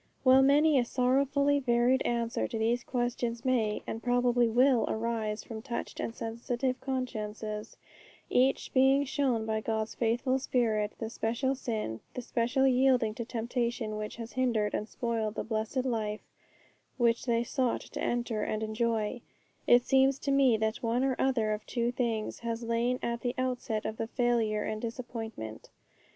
While many a sorrowfully varied answer to these questions may, and probably will, arise from touched and sensitive consciences, each being shown by God's faithful Spirit the special sin, the special yielding to temptation which has hindered and spoiled the blessed life which they sought to enter and enjoy, it seems to me that one or other of two things has lain at the outset of the failure and disappointment.